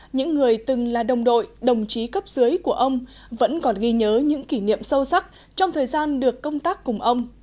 những người từng là đồng đội đồng chí cấp dưới của ông vẫn còn ghi nhớ những kỷ niệm sâu sắc trong thời gian được công tác cùng ông